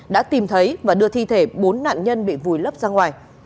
đã tìm thấy và đưa thi thể bốn nạn nhân bị vùi lấp ra ngoài